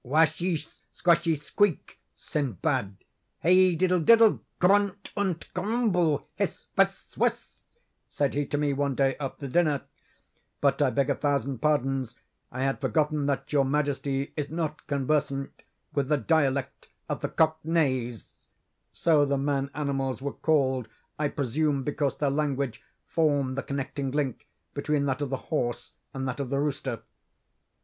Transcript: "'Washish squashish squeak, Sinbad, hey diddle diddle, grunt unt grumble, hiss, fiss, whiss,' said he to me, one day after dinner—but I beg a thousand pardons, I had forgotten that your majesty is not conversant with the dialect of the Cock neighs (so the man animals were called; I presume because their language formed the connecting link between that of the horse and that of the rooster).